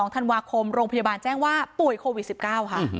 ๒ธันวาคมโรงพยาบาลแจ้งว่าป่วยโควิด๑๙ค่ะ